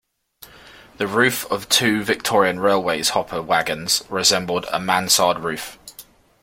The roof of two Victorian Railways hopper wagons resembled a mansard roof.